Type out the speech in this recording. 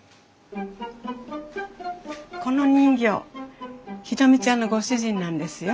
この人形宏美ちゃんのご主人なんですよ。